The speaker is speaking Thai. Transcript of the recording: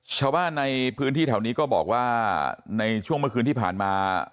ชาวบ้านในพื้นที่แถวนี้ก็บอกว่าในช่วงเมื่อคืนที่ผ่านมา